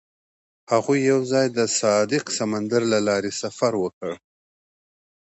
هغوی یوځای د صادق سمندر له لارې سفر پیل کړ.